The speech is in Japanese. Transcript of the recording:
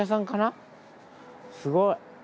すごい。